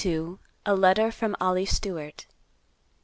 A LETTER FROM OLLIE STEWART.